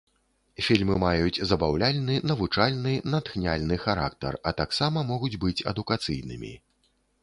Фільмы маюць забаўляльны, навучальны, натхняльны характар, а таксама могуць быць адукацыйнымі.